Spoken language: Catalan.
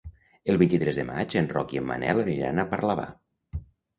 El vint-i-tres de maig en Roc i en Manel aniran a Parlavà.